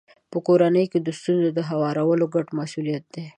په کورنۍ کې د ستونزو هوارول ګډ مسولیت دی.